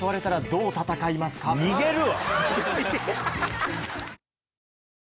逃げるわ！